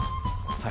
はい。